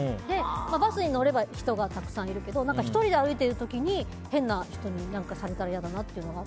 バスに乗れば人がたくさんいるけど１人で歩いている時に変な人に何かされたら嫌だったので。